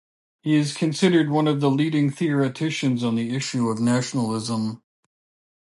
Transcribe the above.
He is considered one of the leading theoreticians on the issue of nationalism.